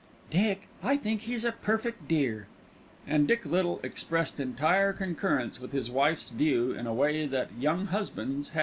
"Dick, I think he's a perfect dear." And Dick Little expressed entire concurrence with his wife's view in a way that young husbands have.